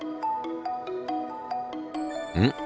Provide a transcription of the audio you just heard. うん？